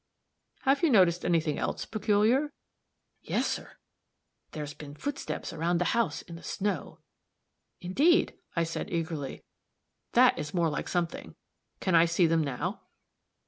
"Have you noticed any thing else peculiar?" "Yes, sir. There's been footsteps around the house in the snow." "Indeed?" I said, eagerly; "that is more like something. Can I see them now?"